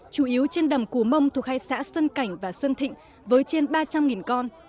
chủ yếu trên đầm cù mông thuộc hai xã xuân cảnh và xuân thịnh với trên ba trăm linh con